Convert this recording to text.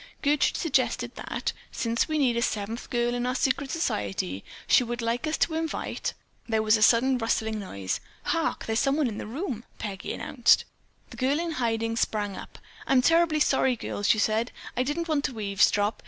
"Gertrude suggested that, since we need seven girls in our secret society, she would like us to invite——" There was a sudden rustling noise. "Hark! There's someone in this room," Peggy announced. The girl in hiding sprang up. "I'm terribly sorry, girls," she said. "I didn't want to eavesdrop.